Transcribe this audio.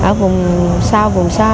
ở vùng xa vùng xa